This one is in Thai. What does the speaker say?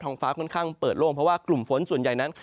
งฟ้าค่อนข้างเปิดโล่งเพราะว่ากลุ่มฝนส่วนใหญ่นั้น